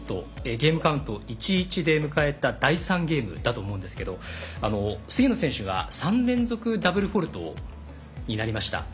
ゲームカウント１対１で迎えた第３ゲームだと思うんですけど菅野選手が３連続ダブルフォルトになりました。